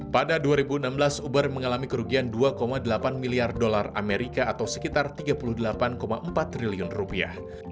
pada dua ribu enam belas uber mengalami kerugian dua delapan miliar dolar amerika atau sekitar tiga puluh delapan empat triliun rupiah